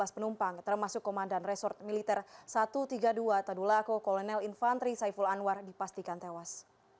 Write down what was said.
dua belas penumpang termasuk komandan resort militer satu ratus tiga puluh dua tadulako kolonel infantri saiful anwar dipastikan tewas